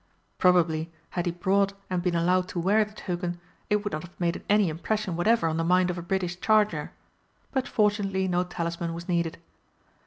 Probably, had he brought and been allowed to wear the token, it would not have made any impression whatever on the mind of a British charger but fortunately no talisman was needed.